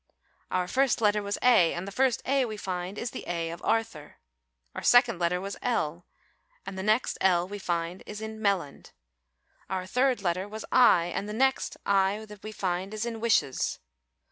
Our first letter was A, and the first A we find is the A of 'Arthur.' Our second letter was L, and the next L that we find is in 'Melland.' Our third letter was I and the next I that we find is in 'wishes.